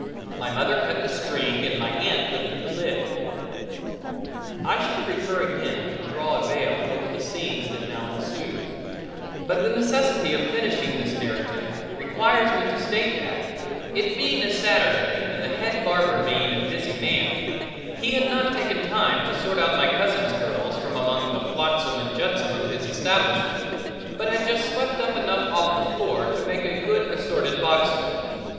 My mother cut the string and my aunt lifted the lid. I should prefer again to draw a veil over the scenes that now ensued, but the necessity of finishing this narrative requires me to state that it being a Saturday and the head barber being a busy man, he had not taken time to sort out my cousin's curls from among the flotsam and jetsam of his establishment, but had just swept up enough off the floor to make a good assorted boxful.